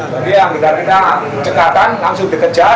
jadi yang kita cekakan langsung dikejar